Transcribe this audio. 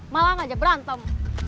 malah ngajak berantem